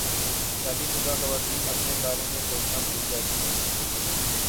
شادی شدہ خواتین اپنے بارے میں سوچنا بھول جاتی ہیں